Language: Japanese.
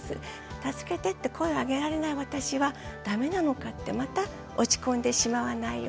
助けてって声を上げられない私は駄目なのかってまた落ち込んでしまわないように。